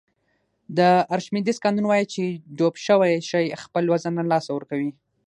د ارشمیدس قانون وایي چې ډوب شوی شی خپل وزن له لاسه ورکوي.